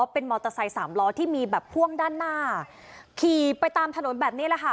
เป็นมอเตอร์ไซค์สามล้อที่มีแบบพ่วงด้านหน้าขี่ไปตามถนนแบบนี้แหละค่ะ